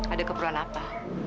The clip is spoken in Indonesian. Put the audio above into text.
ada keberuan apa